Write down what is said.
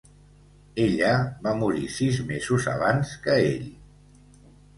Ella va morir sis mesos abans que ell.